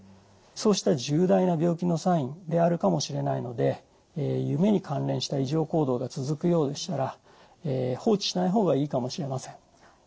そうした重大な病気のサインであるかもしれないので夢に関連した異常行動が続くようでしたら放置しない方がいいかもしれません。